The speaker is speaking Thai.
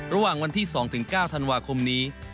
ระหว่างวันที่๒๙ธันวาคมนี้